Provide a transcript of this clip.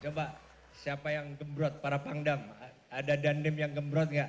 coba siapa yang gembrot para pangdam ada dandem yang gembrot nggak